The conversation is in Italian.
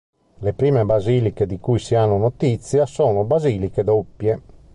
Le prime basiliche di cui si ha notizia sono "basiliche doppie".